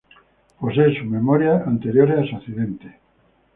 Posee sus memorias anteriores a su accidente.